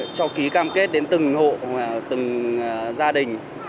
cho ký cam kết đến từng hộ từng gia đình